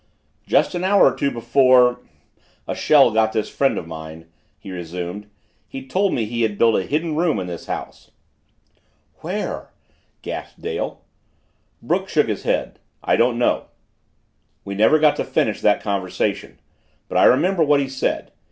"Just an hour or two before a shell got this friend of mine," he resumed, "he told me he had built a hidden room in this house." "Where?" gasped Dale. Brooks shook his head. "I don't know. We never got to finish that conversation. But I remember what he said.